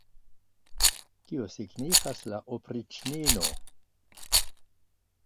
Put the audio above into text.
Kio signifas la opriĉnino?